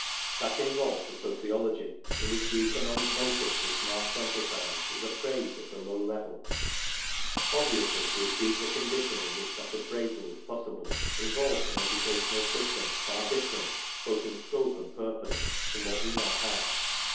That involves a sociology in which the economic motive which Marx emphasized is appraised at a low level. Obviously, to achieve the condition in which that appraisal is possible, involves an educational system far different, both in scope and purpose, from what we now have.